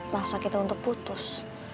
masa kita untuk putus